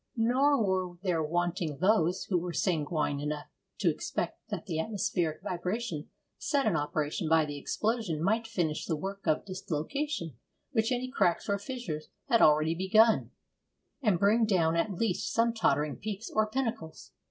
Nor were there wanting those who were sanguine enough to expect that the atmospheric vibration set in operation by the explosion might finish the work of dislocation which any cracks or fissures had already begun, and bring down at least some tottering peaks or pinnacles.